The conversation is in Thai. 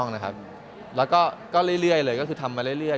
แล้วก็เรื่อยเลยก็คือทำมาเรื่อย